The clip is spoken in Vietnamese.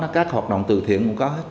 các hoạt động từ thiện cũng có